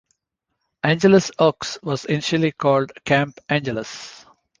Angelus Oaks was initially called Camp Angelus.